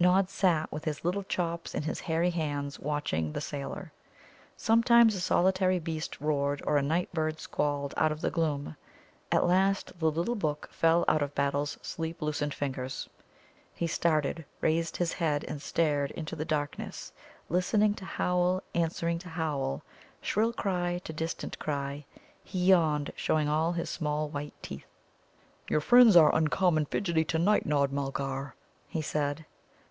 Nod sat with his little chops in his hairy hands watching the sailor. Sometimes a solitary beast roared, or a night bird squalled out of the gloom. At last the little book fell out of Battle's sleep loosened fingers. He started, raised his head, and stared into the darkness, listening to howl answering to howl, shrill cry to distant cry. He yawned, showing all his small white teeth. "Your friends are uncommon fidgety to night, Nod Mulgar," he said.